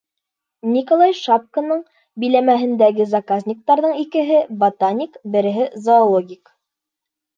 Николай Шапконың биләмәһендәге заказниктарҙың икеһе — ботаник, береһе — зоологик.